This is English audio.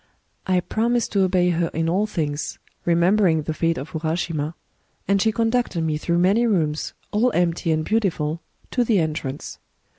*" I promised to obey her in all things, — remembering the fate of Urashima, — and she conducted me through many rooms, all empty and beautiful, to the entrance.